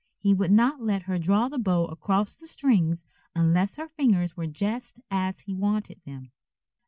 He would not let her draw the bow across the strings unless her fingers were just as he wanted them.